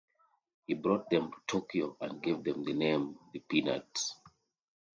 He brought them to Tokyo and gave them the name The Peanuts.